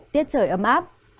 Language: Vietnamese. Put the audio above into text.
tiết trời ấm áp